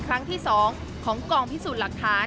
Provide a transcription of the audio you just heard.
ครั้งที่๒ของกองพิสูจน์หลักฐาน